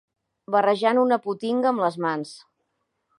Barrejant una potinga amb les mans